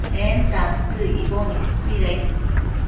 en tantsëc icboc istuidaid